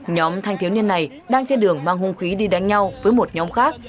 nhóm thanh thiếu niên này đang trên đường mang hung khí đi đánh nhau với một nhóm khác